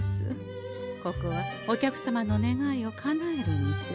ここはお客様の願いをかなえる店。